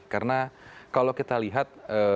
karena kalau kita lihat